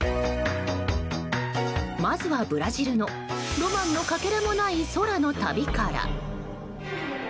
まずはブラジルの、ロマンのかけらもない空の旅から。